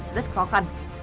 rất khó khăn